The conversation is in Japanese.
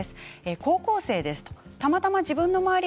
高校生です。